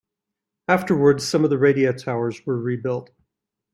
Afterward some of the radio towers were rebuilt.